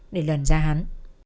để lần ra hắn